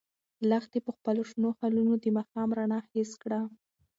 لښتې په خپلو شنو خالونو د ماښام رڼا حس کړه.